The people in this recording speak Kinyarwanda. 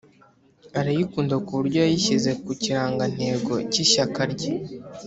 arayikunda kuburyo yayishyize ku kirangantego cy’ishyaka rye